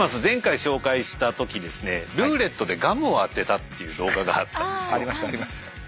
前回紹介したときですねルーレットでガムを当てたっていう動画があったんですよ。